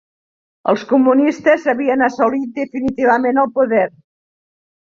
Els comunistes havien assolit definitivament el poder